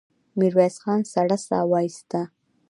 ميرويس خان سړه سا وايسته.